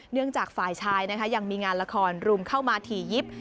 จากฝ่ายชายนะคะยังมีงานละครรุมเข้ามาถี่ยิบ